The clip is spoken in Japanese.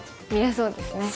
そうですね。